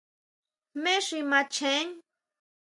¿Jmé xi macheén?